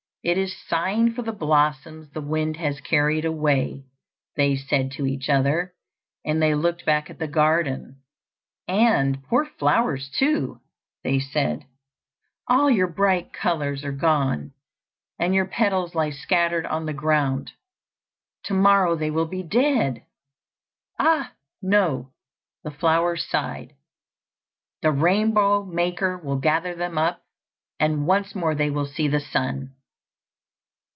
it is sighing for the blossoms the wind has carried away," they said to each other, and they looked back at the garden. "And, poor flowers, too," they said, "all your bright colours are gone, and your petals lie scattered on the ground; to morrow they will be dead." "Ah, no," the flowers sighed, "the rainbow maker will gather them up, and once more they will see the sun."